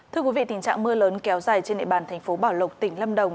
thưa quý vị tình trạng mưa lớn kéo dài trên địa bàn tp bảo lộc tỉnh lâm đồng